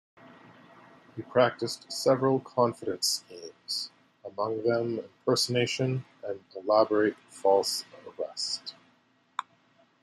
He practiced several confidence schemes, among them impersonation and elaborate false arrest.